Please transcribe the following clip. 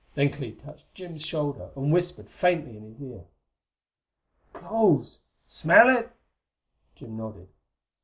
Then Clee touched Jim's shoulder and whispered faintly in his ear: "Cloves! Smell it?" Jim nodded.